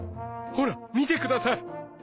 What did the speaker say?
ほら見てください！